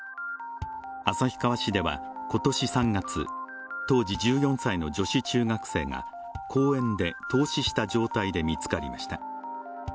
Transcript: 旭川市では今年３月当時１４歳の女子中学生が公園で凍死した状態で見つかりました